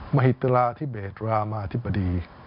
มหิตราธิเบศรามาธิบดี